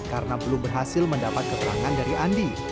karena belum berhasil mendapat keterangan dari andi